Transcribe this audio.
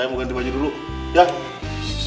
sok bereskan sok bah